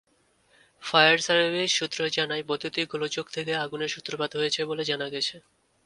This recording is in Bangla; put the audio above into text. ফায়ার সার্ভিস সূত্র জানায়, বৈদ্যুতিক গোলযোগ থেকে আগুনের সূত্রপাত হয়েছে বলে জানা গেছে।